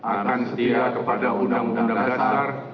akan setia kepada undang undang dasar